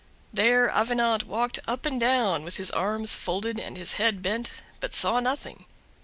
There Avenant walked up and down, with his arms folded and his head bent, but saw nothing.